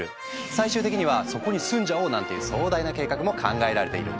最終的には「そこに住んじゃおう」なんていう壮大な計画も考えられているんだ。